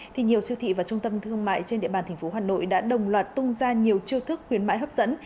thì nhiều siêu thị và trung tâm thương mại trên địa bàn tp hà nội đã đồng loạt tung ra nhiều chiêu thức khuyến mại hấp dẫn